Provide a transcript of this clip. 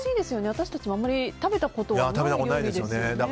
私たちもあまり食べたことがないお料理ですよね。